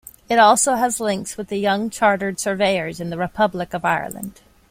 It also has links with the Young Chartered Surveyors in the Republic of Ireland.